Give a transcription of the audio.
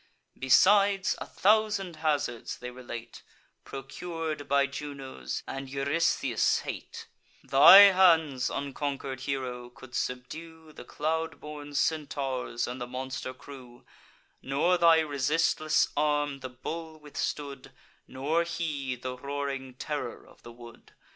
Besides, a thousand hazards they relate, Procur'd by Juno's and Eurystheus' hate: "Thy hands, unconquer'd hero, could subdue The cloud born Centaurs, and the monster crew: Nor thy resistless arm the bull withstood, Nor he, the roaring terror of the wood.